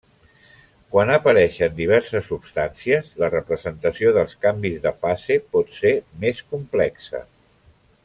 Quan apareixen diverses substàncies, la representació dels canvis de fase pot ser més complexa.